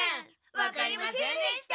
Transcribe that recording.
わかりませんでした。